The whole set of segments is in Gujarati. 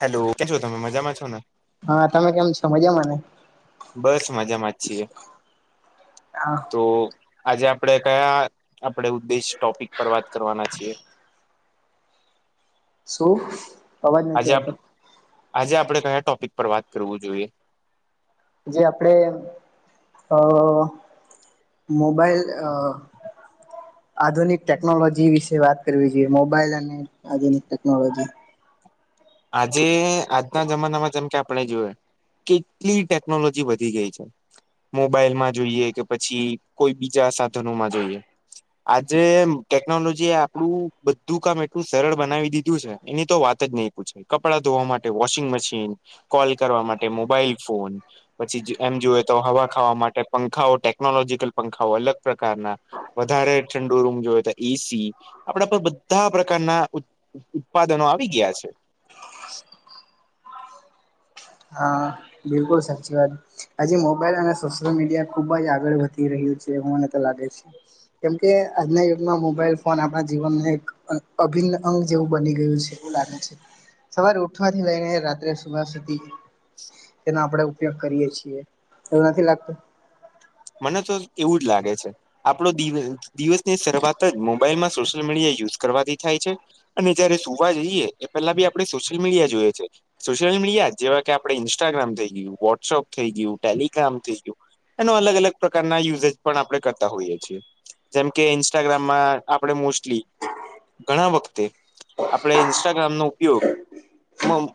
હેલો. કેમ છો તમે, મજામાં છો ને? હા તમે કેમ છો મજામાં ને બસ મજામાં જ છીએ. હા તો આજે આપડે કયા આપડે ઉદ્દેશ ટોપિક પર વાત કરવાના છીએ? શું, અવાજ આજે નથી આપ આવતો. આજે આપડે કયા ટોપિક પર વાત કરવું જોઈએ? જે આપડે અહ મો બાઈલ અહ હ [unintelligible] આધુનિક ટેકનોલોજી વિશે વાત કરવી જોઈએ મોબાઈલ અને આધુનિક ટેકનોલોજી. આજે આજના જમાનામાં જેમ કે આપણે જોવે કેટલી ટેકનોલોજી વધી ગઈ છે. મોબાઈલમાં જોઈએ કે પછી કોઈ બીજા સાધનોમાં જોઈએ. આજે ટેકનોલોજી એ આપડું બધું કામ એટલું સરળ બનાવી દીધું છે એની તો વાત જ નહી કપડા ધોવા માટે વોશિંગ મશીન કોલ કરવા માટે મોબાઈલ ફોન પછી એમ જોએ તો હવા ખાવા માટે પંખાઓ ટેકનોલોજીકલ પંખાઓ અલગ પ્રકારના વધારે ઠંડુ દો રૂમ જોયો તો એ સી આપડા પર બધા પ્રકારના ઉત-ઉત્પાદનો આવી ગયા છે. [inaudible] હા બિલકુલ સાચી વાત આજે મોબાઈલ અને સોશિયલ મીડિયા ખુબ જ આગળ વધી રહ્યું છે. મને તો લાગે છે. કેમ કે આજના યુગમાં મોબાઈલ ફોન આપણા જીવનને એક અહ અભિન્ન અંગ જેવું ઉ બની ગયું છે એવું લાગે છે. સવારે ઉઠવાથી લઈને રાત્રે સુવા સુધી તેના આપડે ઉપયોગ કરીએ છીએ, એવું નથી લાગતું? મને તો એવું જ લાગે છે આપડો દિવ-દિવસની શરૂઆત જ મોબાઈલ માં સોશિયલ મીડિયા યુઝ કરવાથી થાય છે, અને જયારે સુવા જઈએ એ પેલા બી આપણે સોશિયલ મીડિયા જોઈએ છે. સોશિયલ મીડિયા જેવા કે આપણે ઈન્સ્ટાગ્રામ થઈ ગયું, વોટ્સઅપ થઈ ગયું, ટેલિગ્રામ થઈ ગયું. એનો અલગ અલગ એ પ્રકાર યુઝજ પણ આપણે કરતા હોઈએ છીએ. જેમકે ઇન્સ્ટાગ્રામમાં આપણે મોસ્ટલી ઘણા વખતે આપડે ઇન્સ્ટાગ્રામ નો ઉપયોગ મમ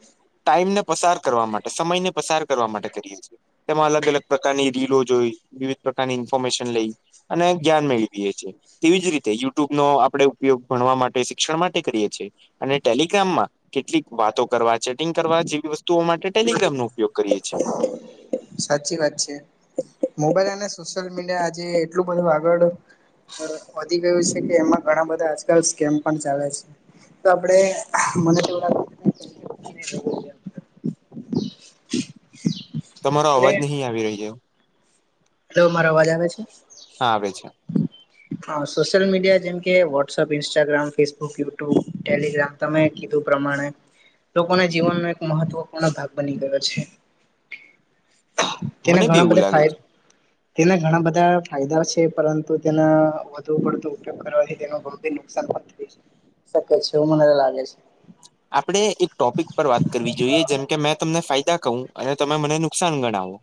ટાઈમને પસાર કરવા માટે સમયને પસાર કરવા માટે કરીએ છીએ. તેમાં અલગ અલગ પ્રકારની રીલો જોઈ વિવિધ પ્રકારની ઇન્ફોર્મેશન લઈ અને જ્ઞાન મેળવીએ છેએ. તેવી જ રીતે યુટ્યુબ નો આપણે ઉપગ ભણવા માટે શિક્ષણ માટે કરીએ છીએ અને ટેલિગ્રામમાં કેટલીક વાતો કરવા ચેટિંગ કરવા જેવી વસ્તુઓ માટે ટેલિગ્રામ નો ઉપયોગ કરીએ છે. સાચી વાત છે મોબાઈલ અને સોશિયલ મીડિયા આજે એટલું બધું આગળ વધી ગયું છે કે એમાં ઘણા બધા આજકાલ સ્કેમ પણ ચાલે છે. તો આપડે મને તો તમારો અવાજ નહીં આવી રહ્યો. હ મારો અવાજ આવે છે? હા આવે છે. હ સોશિયલ મીડિયા જેમકે WhatsApp Instagram Facebook YouTube Telegram તમે કીધું પ્રમાણે લોકોને જીવનનો એક મહત્વપૂર્ણ ભાગ બની ગયો છે. [inaudible] તેના મને બી ઘણા એવું બધા ફા લાગે છે તેના ઘણા બધા ફાયદા છે પરંતુ તેના વધુ પડતો ઉપયોગ કરવાથી તે ઘણું બ નુકસાન પણ થાય. શકે છે એવું મને તો લાગે છે. આપડે એક ટોપિક પર વાત કરવી જોઈએ જેમ કે મેં તમને ફાયદા કું અને તમે મને નુકસાન ગણાવો.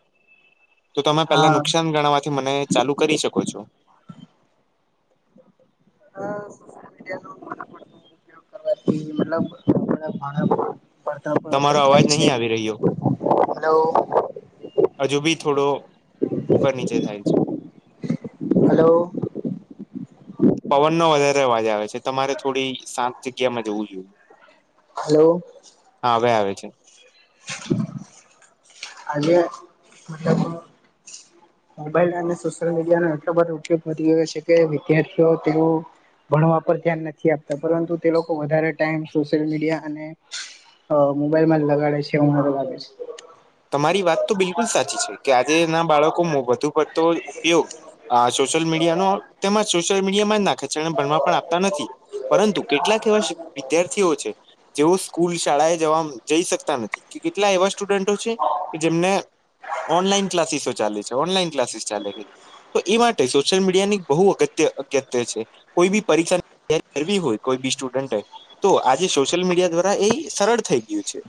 તો તમે પહેલા હા નુકસાન ગણવાથી મને ચાલુ કરી શકો છો. હ સોશલ મીડિયા નો ઉપયોગ કરવાથી મતલબા પતા પણ અસર તમારો અવાજ થાય છે નહીં આવી રહ્યો હજુ [unintelligible] બી થોડો ફનીચર થાય છે. હલો! પવન નો વધારે અવાજ આવે છે તમારે થોડી સાત જગ્યામાં જવું જોઈએ. હલો! હા હવે આવે છે. અજે મતલબ મોબાઈલ અને સોશિયલ મીડિયાનો એટલો બધો ઉપયોગ વધી ગયો છે કે વિદ્યાર્થીઓ તેઓ ભણવા પર ધ્યાન નથી આપતા પરંતુ તે લોકો વધારે ટાઈમ સોશિયલ મીડિયા અને મોબાઈલ મા જ લગાડે છે એવુ મને લાગે છે. તમારી વાત તો બિલકુલ સાચી છે કે આજે ના બાળકોમાં વધુ પડતો ઉપયોગ આ સોશ શિયલ મીડિયાનો સોશિયલ મીડિયામા જ નાખે છે અને ભણવા આપતા નથી પરંતુ કેટલાક એવા શી વિદ્યાર્થીઓ છે જેઓ સ્કૂલ શાળા એ જવા જઈ શકતા નથી કે કેટલા એવા સ્ટુડન્ટો છે કે જેમને ઓનલાઈન ક્લાસીસો ચાલે છે ઓનલાઈન ક્લાસીસ ચાલે કે તો એ માટે સોશિયલ મીડિયાની બહુ અગત અગત્ય છે કોઈ બી પરીક્ષા [inaudible] હોય કોઈ બી સ્ટુડન્ટ એ તો આજે સોશિયલ મીડિયા દ્વારા એ સરળ થઈ ગયુ છે.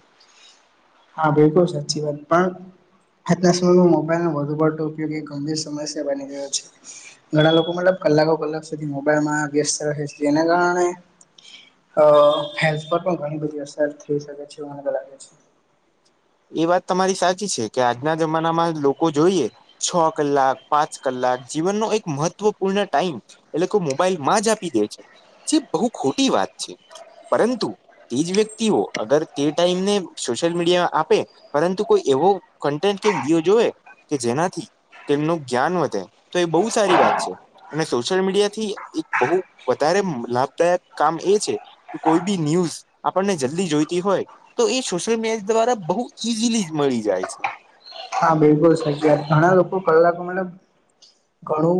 હા બિલકુલ સાચી વાત પણ આજના સમયમાં મોબાઈલ નો વધુ પડતો ઉપયોગી ગંભીર સમસ્યા બની રહ્યો છે ઘણા લોકો મતલબ કલાકો કલાક સુધી મોબાઈલમાં વ્યસ્ત રહે છે જેને કારણે અ હેલ્થ પર પણ ઘણી બધી અસર થઈ શકે છે એવુ મને લાગે છે. એ વાત તમારી સાચી છે કે આજના જમાનામાં લોકો જોઈએ છ કલાક પાંચ કલાક જીવનનો એક મહત્વપૂર્ણ ટાઈમ એટલે મોબાઈલ માં જ આપી દે છે જે બહુ ખોટી વાત છે પરંતુ તે જ વ્યક્તિઓ અગર તે ટાઈમને સોશિયલ મીડિયા આપ પે પરંતુ કોઈ એવો કન્ટેન્ટ કે વિડીયો જોવે કે જેનાથી તેમનું જ્ઞાન વધે તો એ બહુ સારી વાત છે અને સોશિયલ મીડિયા થી એક બહુ વધારે લાભદાયક કામ એ છે કે કોઈ બી ન્યૂઝ આપડને જલદી જોઈતી હોય તો સોશિયલ મીડિયા દ્વારા બહુ ઈઝીલી મળી જાય છે. હા બિલકુલ સચી વાત ઘણા લોકો કલાકો મતલબ ઘણું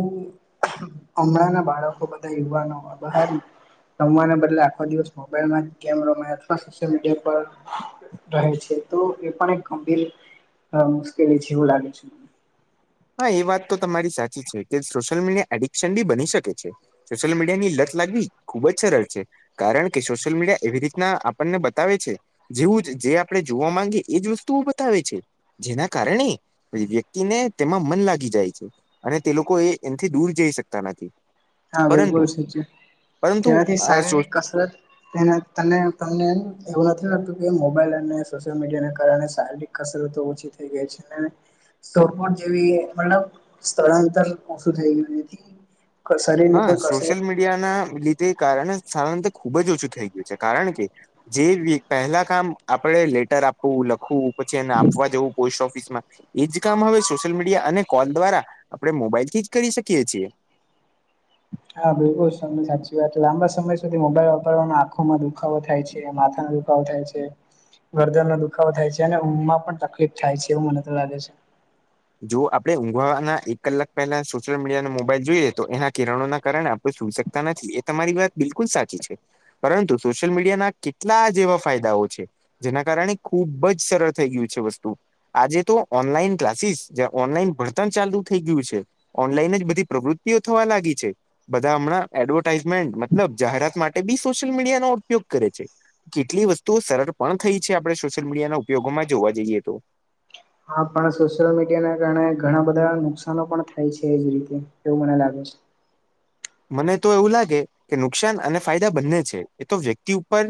હમણાં ના બાળકો બધા યુવાનો બહાર રમવાના બદલે આખો દિવસ મોબાઈલમાં જ ગેમ રમે અથવા સોશિયલ મીડિયા પર રહે છે. તો એ પણ એક ગંભીર મુશ્કેલી જે એવું લાગે મને હા એ વાત તો તમારી સાચી છે કે સોશિયલ મીડિયા એડિક્શન બી બની શકે છે સોશિયલ મીડિયાની લત લાગવી ખૂબજ સરળ છે કારણ કે સોશલ મીડિયા એવી રીતના આપને બતાવે છે જેવુજ જે આપણે જોવા માંગીએ એજ વસ્તુઓ બતાવે છે જેના કારણે એ વ્યક્તિને તેમાં મન લાગી જાય છે અને તે લોકો એ એથી દૂર જઈ શકતા નથી હા પરંતુ બિલકુલ સાચું પરંતુ તેમાથી આ સો શારીરિક કસરત તેને તમને તમને એવું નથી લાગતુ કે મોબાઈલ અને સોશિયલ મીડિયાને કારણે શારીરિક કસરતો ઓછી થઈ ગઈ છે સપોટ જેવી મતલબ સ્થળાંતર ઓછું થઈ ગયું છે હા સોશિયલ મીડિયા ના લીધે કારણે ખૂબ જ ઓછું થઈ ગયુ છે કારણ કે જે પહેલા કામ આપણે લેટ ર રાખવુ લખવું પછી એને આપવા જવું પોસ્ટ ઓફિસમાં એજ કામ હવે સોશિયલ મીડિયા અને કોલ દ્વારા આપડે મોબાઈલ થી જ કરી શકીએ છીએ હા બિલકુલ તને સાચી વાત લાંબા સમય સુધી મોબાઈલ વાપરવાનો આંખોમાં દુખાવો થાય છે માથાનો દુખાવો થાય છે ગરદનનો દુખાવો થાય છે અને ઊંમમાં પણ તકલીફ થાય છે એવુ મને તો લાગે છે જો આપણે ઊંઘવાના એક કલાક પહેલા સોશિયલ મીડિયા અને મોબાઈલ જોઈએ તો એના કિરણોના કારણે આપણે સુઈ નથી એ તમારી વાત બિલકુલ સાચી છે પરંતુ સોશિયલ મીડિયા ના કેટલા જેવા ફાયદાઓ છે જેના કારણે ખુબ જ સરળ થઈ ગયું છે વસ્તુ આજે તો ઓનલાઈન ક્લાસીસ જ્યાં ઓનલાઈન ભળતણ ચાલુ થઈ ગ્યુ છે ઓનલાઈન જ બધી પ્રવૃતિઓ થવા લાગી છે બધા હમણાં એડવર્ટાઈઝમેન્ટ મતલબ જાહેરાત માટે બી સોશિયલ મીડિયા નો ઉપયોગ કરે છે કેટલી વસ્તુઓ સરળ પણ થઈ છે આપણે સોશિયલ મીડિયાના ઉપયોગોમાં જોવા જઈએ તો હા પણ સોશિયલ મીડિયા ના કારણે ઘણા બધા નુકસાનો પણ થાય છે એજ રીતે એવુ મને લાગે છે [inaudible] મને તો એવું લાગે કે નુકસાન અને ફાયદા બંને છે એ તો વ્યક્તિ ઉપર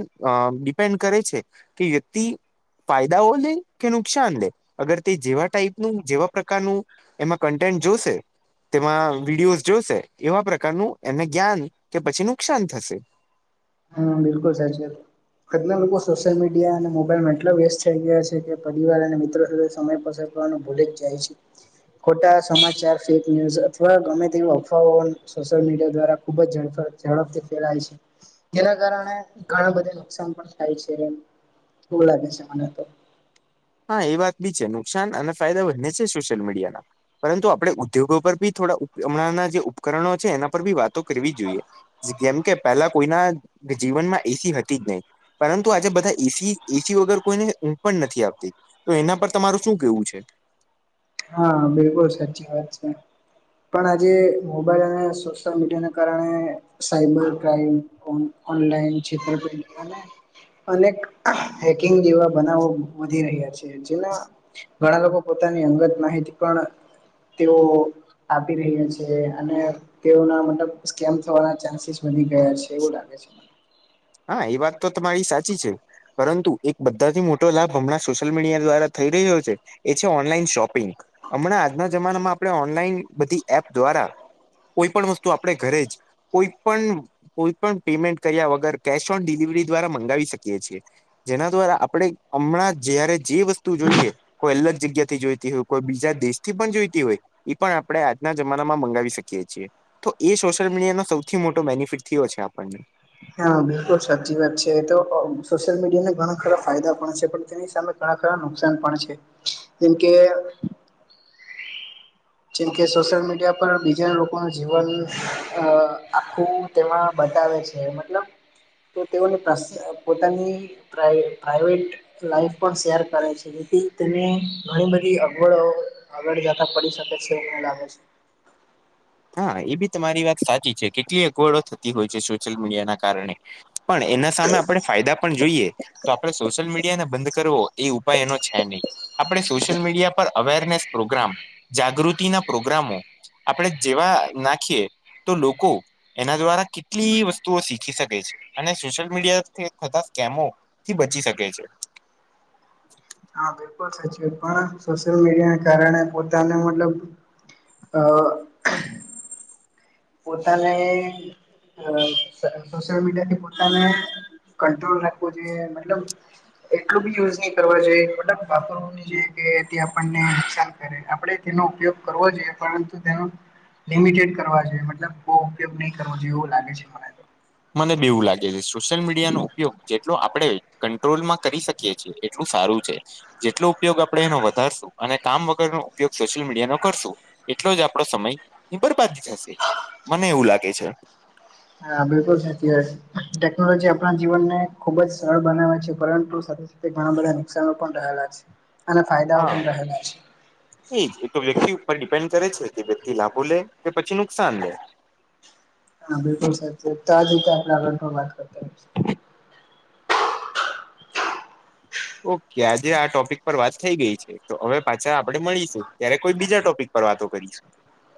ડિપેન્ડ. કરે છે કે વ્યક્તિ ફાયદાઓ લે કે નુકસાન લે અગર તે જેવા ટાઈપનું જેવા પ્રકારનું એમાં કન્ટે. તે વિડીયો જો એવા. કર એને જ્ઞાન કે પછી નુકસાન થશે. હા બિલકુલ સાચી વાત. ખદના લોકો સોશિયલ મીડિયા અને મોબાઈલમાં એટલા વ્યસ્ત થઈ ગયા છે કે પરિવાર અને મિત્રો સાથે સમય પસાર ભૂલે જ જાય છે. ખોટા સમાચાર ફેક ન્યૂઝ અથવા ગમે તેવી અફવાઓ સોશિયલ મીડિયા દ્વારા ખુબ જ ઝડ ઝડપથી ફેલાય છે જેના કારણે ઘણા બધા નુકસાન પણ થાય છે એમ શ લાગે છે મને તો. હા એ વાત બી છે નુકસાન અને ફાયદા બને છે સોશિયલ મીડિયાના પરંતુ આપણે ઉદ્યોગો પર બી. થડા હમણાં જે ઉપકરણો છે એના પર બી વાતો કરવી જોઈએ જેમકે પેલા કોઈના. જીવનમાં એસી હતી જ નહી પરંતુ આજે બધા એસી એસી વગર કોઈને ઊંઘ પણ નથી આવતી. તો એના પર તમારું શું કેવું છે. હા બિલકુલ સાચી વાત છે. પણ આજે મોબાઈલ અને સોશયલ મીડિયાને કારણે સાઈબર ક્રાઈમ. ઓનલાઈન ચિત્રપતિ અને હેકિંગ જેવા બનાવો વધી રહ્યા છે જેમાં ઘણા લોકો પો. ની અંગત નહ પણ. તેઓ આપી રહ્યા છે અને તેઓના મતલબ સ્કેમ થવાના ચાન્સ. ગયા છે એવું લાગે છે મને. હા એ વાત તો તમારી સાચી છે પરંતુ એક બધાથી મોટો લાભ હમણાં સોશિયલ મીડિયા દ્વારા થઈ રહ્યો. શોપિંગ હમણાં આજના જમાનામાં આપણે ઓનલાઈન બધી એપ દ્વારા. કોઈ પણ વસ્તુ આપણે ઘરે જ કોઈ પણ કોઈ પણ પેમેન્ટ કર્યા વગર. કેશ ઓન ડિલિવરી દ્વારા મંગાવી શકીએ છીએ જેના દ્વારા આપણે હમણાં જયારે જે વસ્તુ જો. જોઈએ કોઈ અલગ જગ્યા થી જોઈતી હોય કોઈ બીજા દેશ થી પણ જોઈતી હોય એ પણ આપણે આજના જમાનામાં મંગાવી શકીએ છીએ તો એ સોશિયલ મીડિયાનો સૌથી મોટો બેનિફિટ થયો છે આપણને. હા બિલકુલ સાચી વાત છે તો સોશિયલ મીડિયાને ઘણા ખરા ફાયદા પણ છે પણ તેની સામે ઘણા ખરા નુકસાન પણ છે જેમ કે [inaudible] જેમકે સોશિયલ મીડિયા પર બીજા લોકોનું જીવન અ આખું તેમાં બતાવે છે મતલબ તો તેઓને પર્સ પોતાની પ્રાઈ પ્રાઈવેટ લાઈફ પણ શેર કરે છે. [inaudible] તમે ઘણી બધી અગવડો આગળ જતા પડી શકે. છે [unintelligible] હા એ બી તમારી વાત સાચી છે કેટલી અગવડો થતી હોય છે સોશિયલ મીડિયા ના કારણે પણ એના સામે આપણે ફાયદા પણ જોઈએ તો આપણે સોશિયલ મીડિયાને બંધ કરવો એ ઉપાય એનો છે નહી આપણે સોશિયલ મીડિયા પર અવેરને પ્રોગ્રામ જાગૃતિ ના પ્રોગ્રામો આપણે જેવા નાખીએ તો લોકો એના દ્વારા કેટલી વસ્તુઓ શીખી શકે છે અને સોશિયલ મીડિયાથી થતા કેમો થી બચી શકે છે. હા [unintelligible] સાચી વાત પણ સોશિયલ મીડિયાના કારણે પોતાને મતલબ. અ. પોતાને અ સોશયલ મીડિયાથી પોતાને કંટ્રોલ રાખવો જોઈએ મતલબ એટલું બી યુઝ ની કરવા ઉપયોગ કરવો જોઈએ પરંતુ તેનો લીમિટેડ કરવા જોઈએ. મતલબ બો ઉપયોગ નહી કરવો જોઈએ એવું લાગે છે મને તો. મને બી એવું લાગે છે સોશિયલ મીડિયા નો ઉપયોગ જેટલો આપણેે કંટ્રોલ માં કરી શકીએ છીએ એટલું સારું છે જેટલો ઉપયોગ આપણે એનો વધારશું અને કામ વગરનો ઉપયોગ સોશિયલ મીડિયા નો કરશું એટલો જ આપડો સમય ની બરબાદી થશે. હા બિલકુલ સાચી વાત છે ટેકનોલોજી આપણા જીવનને એની સાથે ઘણા બધા નુકસાાનો પણ અને ફાયદાઓ હા પણ રહેલા છે એજ એ તો વ્યક્તિ ઉપર ડિપેન્ડ કરે છે કે બેથી લાભુ લે કે પછી નુકસાન લે. હા બિલકુલ સાચ તો આ જતેગ વાત કરતા. ઓકે આજે આ ટોપિક પર વાત થઈ ગઈ છે તો હવે પાછા આપડે મળીશું ત્યારે કોઈ બીજા ટોપિક પર વાતો કરીશું.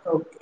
ઓકે.